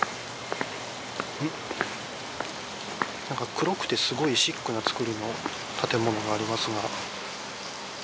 なんか黒くてすごいシックな造りの建物がありますが。